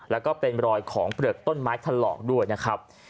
แล้วก็เป็นรอยของเปลือกต้นไม้ถลอกด้วยนะครับ